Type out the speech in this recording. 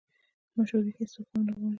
مشورې هیڅوک هم نه غواړي